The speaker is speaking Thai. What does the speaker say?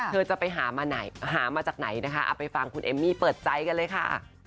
เธอจะไปหามาไหนหามาจากไหนนะคะเอาไปฟังคุณเอมมี่เปิดใจกันเลยค่ะ